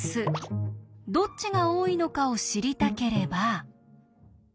どっちが多いのかを知りたければ。